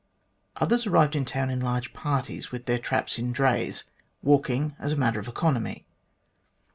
Others arrived in town in large parties, with their traps in drays, walking, as a matter of economy.